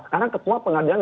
sekarang ketua pengadilan